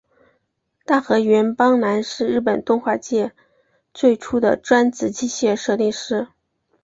大河原邦男是日本动画业界最初的专职机械设定师。